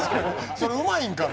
それうまいんかい。